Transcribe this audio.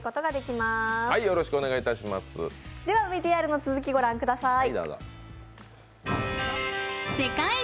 ＶＴＲの続き、ご覧ください。